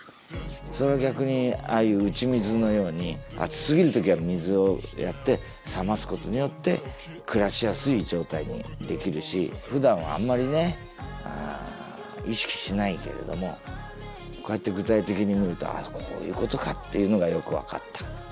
それを逆にああいう打ち水のように暑すぎる時は水をやって冷ますことによって暮らしやすい状態にできるしふだんはあんまりね意識しないけれどもこうやって具体的に見るとああこういうことかっていうのがよく分かった。